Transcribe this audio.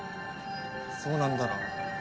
そうなんだろ？